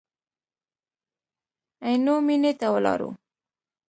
عینو مېنې ته ولاړو.